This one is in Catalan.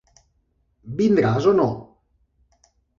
Vindràs o no?